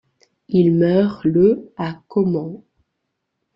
Il meurt le à Caumont.